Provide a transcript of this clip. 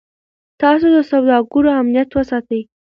تاسي د سوداګرو امنیت وساتئ.